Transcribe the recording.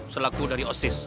selaku dari osis